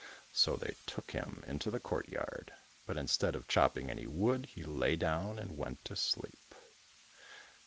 So they took him into the courtyard, but instead of chopping any wood he lay down and went to sleep.